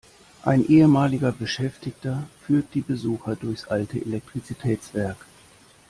Ein ehemaliger Beschäftigter führt die Besucher durchs alte Elektrizitätswerk.